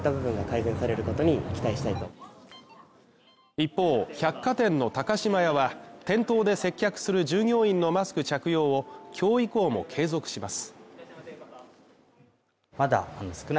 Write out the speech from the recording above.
一方、百貨店の高島屋は店頭で接客する従業員のマスク着用を今日以降も継続します。